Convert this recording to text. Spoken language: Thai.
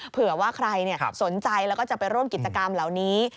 เผื่อว่าใครสนใจแล้วก็จะไปร่วมกิจกรรมเหล่านี้